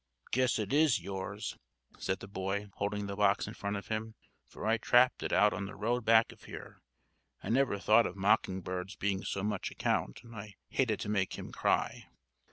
"Guess it is yours," said the boy, holding the box in front of him, "for I trapped it out in the road back of here. I never thought of mocking birds being so much account, and I hated to make him cry."